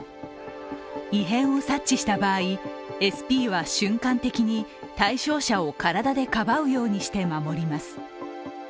異変を察知した場合、ＳＰは瞬間的に対象者を体でかばうようにして守ります。